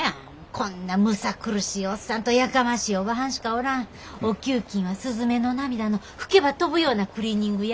こんなむさ苦しいおっさんとやかましいおばはんしかおらんお給金はすずめの涙の吹けば飛ぶようなクリーニング屋。